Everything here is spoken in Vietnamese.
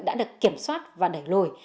đã được kiểm soát và đẩy lùi